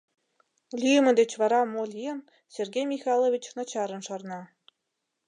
Лӱйымӧ деч вара мо лийын, Сергей Михайлович начарын шарна.